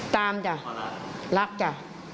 ตามจ้ะรักจ้ะ